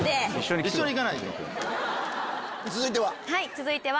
続いては？